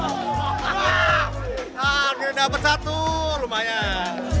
nah dia dapat satu lumayan